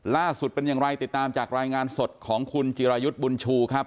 ล่าสุดเป็นอย่างไรติดตามจากรายงานสดของคุณจิรายุทธ์บุญชูครับ